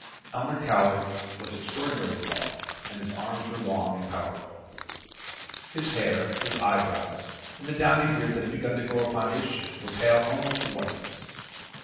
Elmer Cowley was extraordinarily tall and his arms were long and powerful. His hair, his eyebrows, and the downy beard that had begun to grow upon his chin, were pale almost to whiteness.